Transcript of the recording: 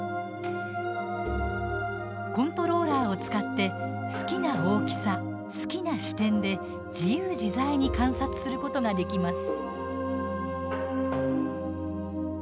コントローラーを使って好きな大きさ、好きな視点で自由自在に観察することができます。